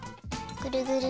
ぐるぐる。